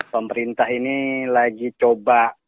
pemerintah ini lagi coba